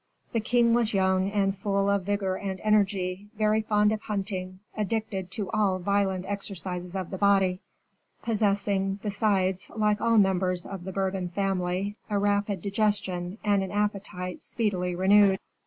The king was young and full of vigor and energy, very fond of hunting, addicted to all violent exercises of the body, possessing, besides, like all the members of the Bourbon family, a rapid digestion and an appetite speedily renewed.